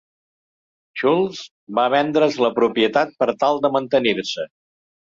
Shultz va vendre's la propietat per tal de mantenir-se.